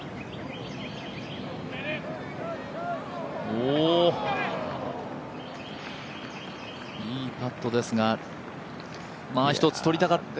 おお、いいパットですが、一つ取りたかった。